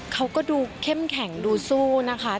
เขาก็ดูเข้มแข็งดูสู้นะคะ